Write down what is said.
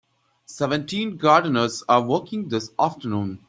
Seventeen gardeners are working this afternoon.